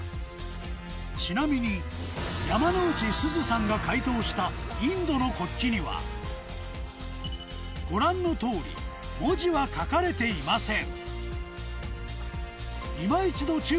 ちなみに山之内すずさんが解答したインドの国旗にはご覧の通り文字は書かれていません